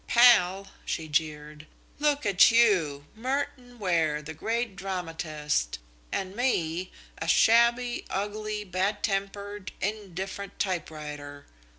"Pal!" she jeered. "Look at you Merton Ware, the great dramatist, and me a shabby, ugly, bad tempered, indifferent typewriter.